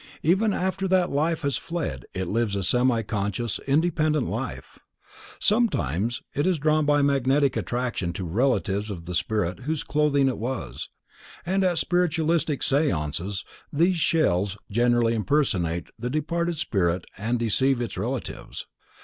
Even after that life has fled it lives a semi conscious, independent life. Sometimes it is drawn by magnetic attraction to relatives of the spirit whose clothing it was, and at spiritualistic seances these shells generally impersonate the departed spirit and deceive its relatives.